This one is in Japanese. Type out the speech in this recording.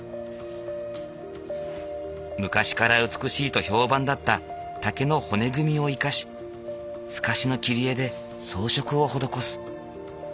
昔から美しいと評判だった竹の骨組みを生かし透かしの切り絵で装飾を施す。